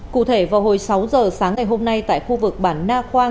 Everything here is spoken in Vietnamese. cụ thể vào hồi sáu giờ sáng ngày hôm nay tại khu vực bản na khoang